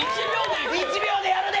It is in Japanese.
１秒でやるで！